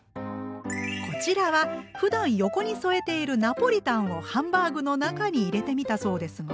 こちらはふだん横に添えているナポリタンをハンバーグの中に入れてみたそうですが？